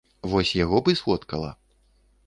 Вось яго б і сфоткала.